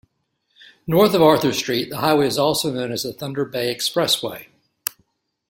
North of Arthur Street, the highway is also known as the Thunder Bay Expressway.